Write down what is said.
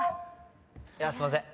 いやすいません。